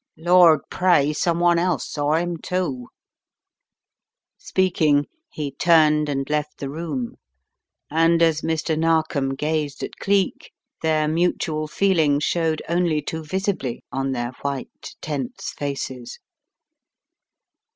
Lord pray someone else saw 'im, too !" Speaking, he turned and left the room, and as Mr. Narkom gazed at Cleek, their mutual feeling showed only too visibly on their white, tense faces.